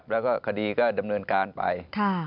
แล้วขดีดำเนินไป